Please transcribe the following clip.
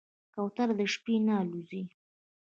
کوتره د شپې نه الوزي.